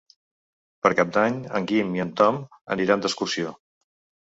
Per Cap d'Any en Guim i en Tom aniran d'excursió.